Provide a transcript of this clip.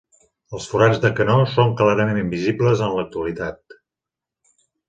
Els forats de canó són clarament visibles en l'actualitat.